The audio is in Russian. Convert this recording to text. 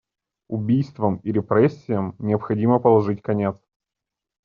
Убийствам и репрессиям необходимо положить конец.